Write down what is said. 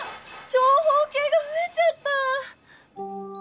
長方形がふえちゃった。